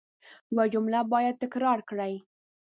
یو جمله باید تکرار کړئ.